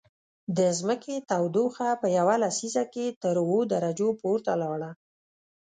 د ځمکې تودوخه په یوه لسیزه کې تر اووه درجو پورته لاړه